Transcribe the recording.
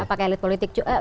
apakah elit politik juga